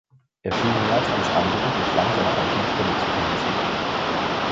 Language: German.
Er schien mehr als alles andere den Klang seiner eigenen Stimme zu genießen.